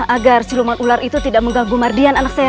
agar siluman ular itu tidak mengganggu mardian anak saya